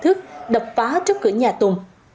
thức đập phá trước cửa nhà tùng